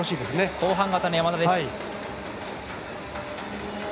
後半型の山田です。